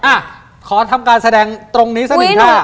อ่ะขอทำการแสดงตรงนี้สักหนึ่งท่า